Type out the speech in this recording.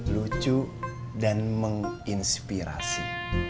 lucu dan menginspirasi